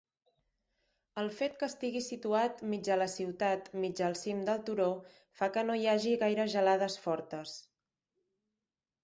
El fet que estigui situat mig a la ciutat, mig al cim del turó fa que no hi hagi gaire gelades fortes.